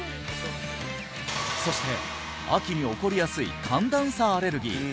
そして秋に起こりやすい寒暖差アレルギー